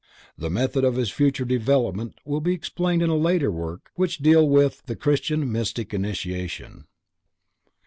The method of his future development will be explained in a later work which will deal with "The Christian Mystic Initiation."